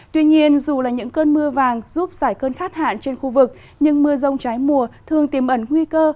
tuy nhiên dù là những cơn mưa vàng giúp giải cơn khát hạn trên khu vực nhưng mưa rông trái mùa thường tiềm ẩn nguy cơ